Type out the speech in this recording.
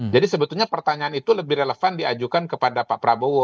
jadi sebetulnya pertanyaan itu lebih relevan diajukan kepada pak prabowo